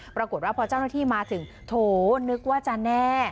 ปรากฏว่าพอเจ้าหน้าที่มาถึงโถนึกว่าจะแน่